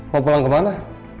mau pulang kemana